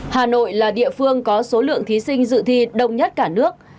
hà nội là địa phương có số lượng thí sinh dự thi đông nhất cả nước